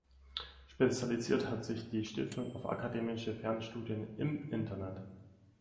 Spezialisiert hat sich die Stiftung auf akademische Fernstudien im Internet.